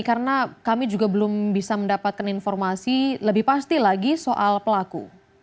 karena kami juga belum bisa mendapatkan informasi lebih pasti lagi soal pelaku